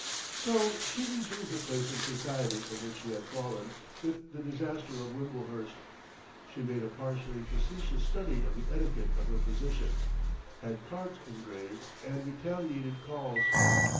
So she resumed her place in society from which she had fallen with the disaster of Wimblehurst. She made a partially facetious study of the etiquette of her position, had cards engraved and retaliated calls.